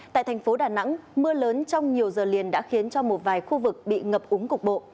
tại thành phố đà nẵng mưa lớn trong nhiều giờ liền đã khiến cho một vài khu vực bị ngập úng cục bộ